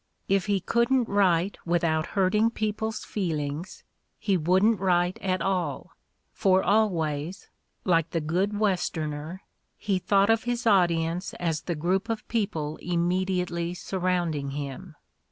If he couldn't write without hurting people's feelings, he wouldn't write at all, for always, like the good West erner, he thought of his audience as the group of people immediately surrounding him.